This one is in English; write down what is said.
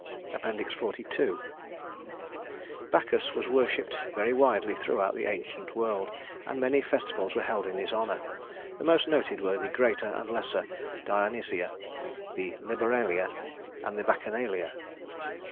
XLII Bacchus was worshiped very widely throughout the ancient world, and many festivals were held in his honor. The most noted were the Greater and Lesser Dionysia, the Liberalia, and the Bacchanalia.